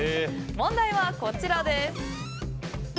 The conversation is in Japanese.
問題はこちらです。